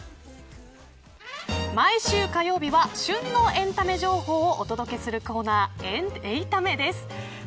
毎週火曜日は旬のエンタメ情報をお届けするコーナー８タメです。